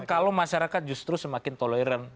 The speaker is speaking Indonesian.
kalau masyarakat justru semakin toleran